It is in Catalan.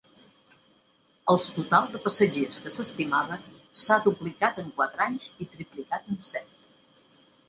Els total de passatgers que s'estimava, s'ha duplicat en quatre anys i triplicat en set.